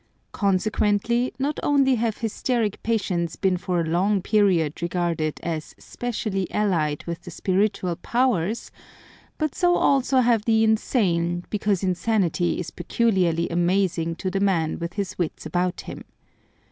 Con sequently, not only have hysteric patients been for a long period regarded as specially allied with the spiritual powers, but so also have the insane, because insanity is particularly amazing to the man with his wits about him.